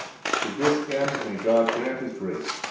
To this end may God grant His grace!